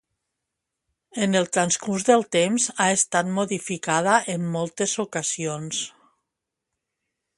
En el transcurs del temps ha estat modificada en moltes ocasions.